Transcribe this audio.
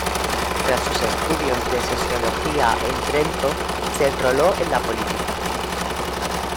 Tras sus estudios de Sociología en Trento se enroló en la política.